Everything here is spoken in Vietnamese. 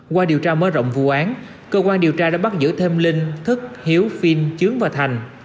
qua điều tra mở rộng vụ án cơ quan điều tra đã bắt giữ thêm linh thức hiếu phiên trướng và thành